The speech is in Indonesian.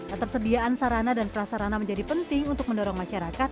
ketersediaan sarana dan prasarana menjadi penting untuk mendorong masyarakat